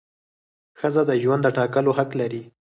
ښځه د ژوند د ټاکلو حق لري.